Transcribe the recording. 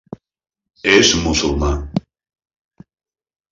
És musulmà.